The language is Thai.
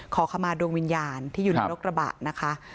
ขอขมาดวงวิญญาณที่อยู่ในรถกระบะนะคะ